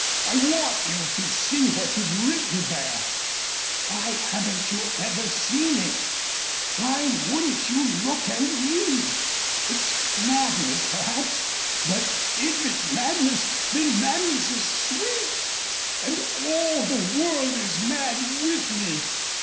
I want you to see what you've written there. Why haven't you ever seen it? Why wouldn't you look and read? It's madness, perhaps; but if it's madness, then madness is sweet and all the world is mad with me.